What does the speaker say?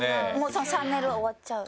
そのチャンネルは終わっちゃう？